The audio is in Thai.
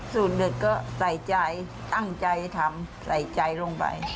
สูตรเด็ดก็ใส่ใจตั้งใจทำใส่ใจลงไป